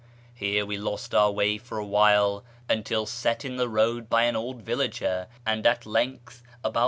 Here we lost our way for a while, until set in the road by an old villager; and at length, about 7.